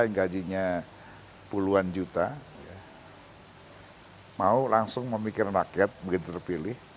yang gajinya puluhan juta mau langsung memikirkan rakyat begitu terpilih